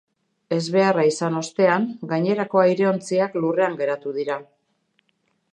Ezbeharra izan ostean, gainerako aireontziak lurrean geratu dira.